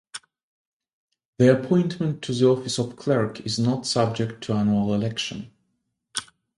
The appointment to the office of Clerk is not subject to annual election.